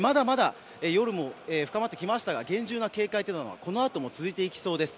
夜も深まってきましたがまだまだ厳重な警戒はこのあとも続いていきそうです。